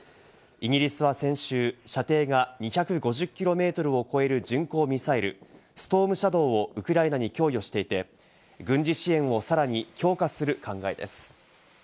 イギリスは先週、射程が２５０キロメートルを超える巡航ミサイル「ストームシャドー」をウクライナに供与していて、軍事支援をさらに強化する考えです。